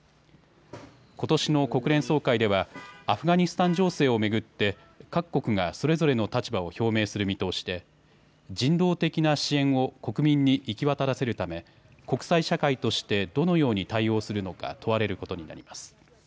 ことしの国連総会ではアフガニスタン情勢を巡って各国がそれぞれの立場を表明する見通しで人道的な支援を国民に行き渡らせるため国際社会としてどのように対応するのか問われることになります。